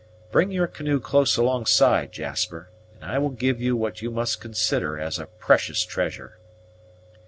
Bring your canoe close alongside, Jasper, and I will give you what you must consider as a precious treasure."